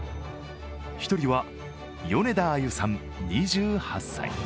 １人は米田あゆさん２８歳。